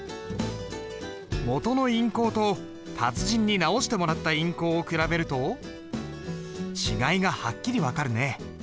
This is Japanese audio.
元の印稿と達人に直してもらった印稿を比べると違いがはっきり分かるね。